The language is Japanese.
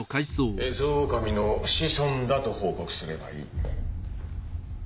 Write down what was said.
エゾオオカミの子孫だと報告すればいい。